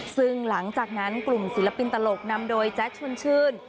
ซึ่งหลังจากนั้นกลุ่มศิลปินตลกนำโดยแจ๊คชวนชื่น